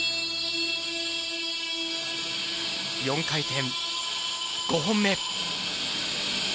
４回転５本目。